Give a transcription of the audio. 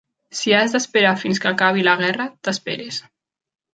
Si has d'esperar fins que acabi la guerra, t'esperes.